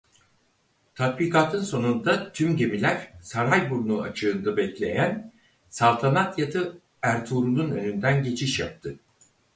Tatbikatın sonunda tüm gemiler Sarayburnu açığında bekleyen saltanat yatı "Ertuğrul"'un önünden geçiş yaptı.